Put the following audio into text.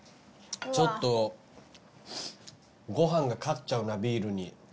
ちょっとご飯が勝っちゃうなビールに。